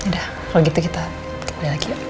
yaudah kalau gitu kita kembali lagi yuk